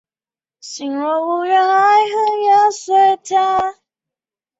弯曲喇叭口螺为虹蛹螺科喇叭螺属的动物。